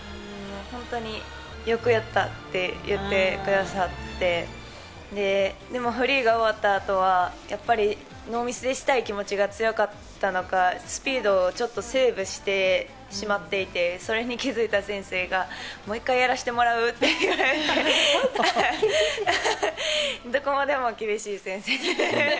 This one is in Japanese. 本当によくやったって言ってくださって、でもフリーが終わった後は、やっぱりノーミスにしたい気持ちが強かったのか、スピードをちょっとセーブしてしまっていて、それに気づいた先生がもう１回やらせてもらうって言ってきてどこまでも厳しい先生です。